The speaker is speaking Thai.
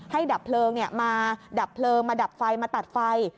ดับเพลิงมาดับเพลิงมาดับไฟมาตัดไฟ